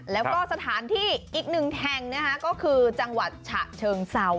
แล้วก็สถานที่อีกหนึ่งแห่งนะคะก็คือจังหวัดฉะเชิงเซา